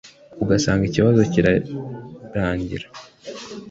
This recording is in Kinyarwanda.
ugasanga ikibazo ntikirangira